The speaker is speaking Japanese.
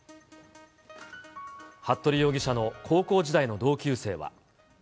服部容疑者の高校時代の同級生は。